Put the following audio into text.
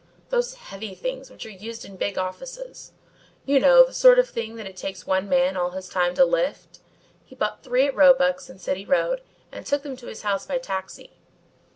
"Those heavy things which are used in big offices. You know, the sort of thing that it takes one man all his time to lift. He bought three at Roebuck's, in City Road, and took them to his house by taxi.